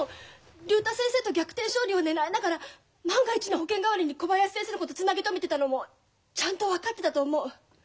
竜太先生と逆転勝利をねらいながら万が一の保険代わりに小林先生のことつなぎ止めてたのもちゃんと分かってたと思う。